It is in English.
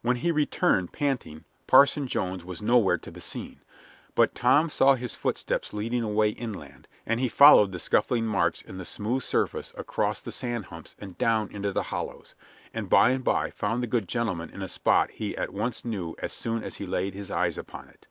When he returned, panting, Parson Jones was nowhere to be seen, but Tom saw his footsteps leading away inland, and he followed the scuffling marks in the smooth surface across the sand humps and down into the hollows, and by and by found the good gentleman in a spot he at once knew as soon as he laid his eyes upon it.